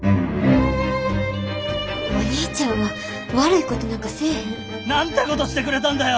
お兄ちゃんは悪いことなんかせえへん。なんてことしてくれたんだよ！